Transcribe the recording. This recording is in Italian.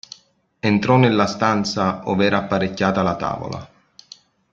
Entrò nella stanza ov'era apparecchiata la tavola.